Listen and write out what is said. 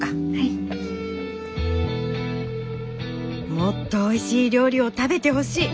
もっとおいしい料理を食べてほしい！